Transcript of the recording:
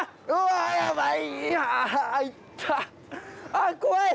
あっ怖い！